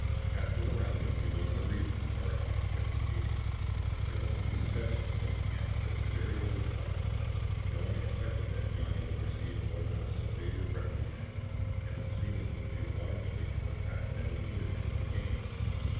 After the roundup we learned the reason for our unexpected meeting. There was some discussion in which Camp took very little part. No one expected that Johnny would receive more than a severe reprimand and this feeling was due largely to the fact that we needed him in the game.